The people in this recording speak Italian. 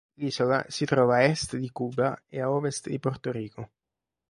L'isola si trova a est di Cuba e a ovest di Porto Rico.